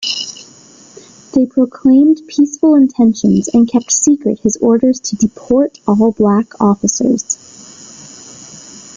They proclaimed peaceful intentions, and kept secret his orders to deport all black officers.